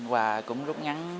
và cũng rút ngắn